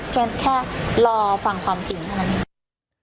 เพียงแค่รอฟังความจริงขนาดนี้